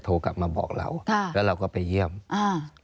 โทรกลับมาบอกเราค่ะแล้วเราก็ไปเยี่ยมอ่า